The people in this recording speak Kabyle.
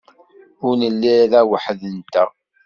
Ur nelli ara weḥd-nteɣ.